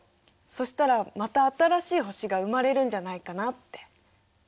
そしたらまた新しい星が生まれるんじゃないかなって。